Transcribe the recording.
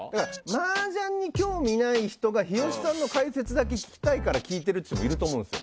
マージャンに興味ない人が日吉さんの解説だけ聞きたいから聞いてる人もいると思うんです。